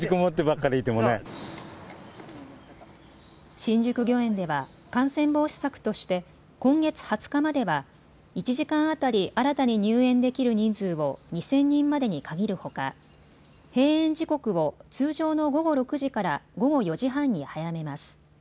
新宿御苑では感染防止策として今月２０日までは１時間当たり新たに入園できる人数を２０００人までに限るほか閉園時刻を通常の午後６時から午後４時半に早めます。